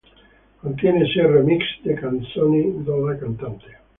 Contiene sei remix di canzoni della cantante.